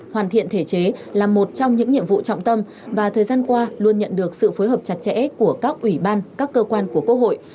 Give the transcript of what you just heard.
hoàn thiện thể chế là một trong những nhiệm vụ trọng tâm và thời gian qua luôn nhận được sự phối hợp chặt chẽ của các ủy ban các cơ quan của quốc hội